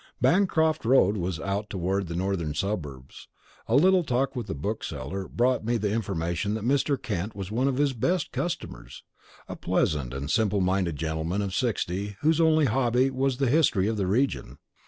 Bancroft Road was out toward the northern suburbs. A little talk with the bookseller brought me the information that Mr. Kent was one of his best customers, a pleasant and simple minded gentleman of sixty whose only hobby was the history of the region.